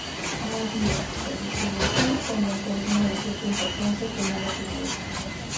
No había, por decirlo así, convento alguno de cierta importancia que no lo tuviese.